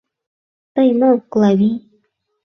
— Тый мо, Клавий?!